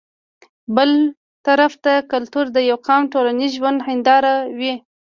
بل طرف ته کلتور د يو قام د ټولنيز ژوند هنداره وي